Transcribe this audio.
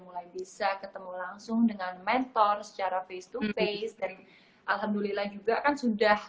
mulai bisa ketemu langsung dengan mentor secara face to face dari alhamdulillah juga kan sudah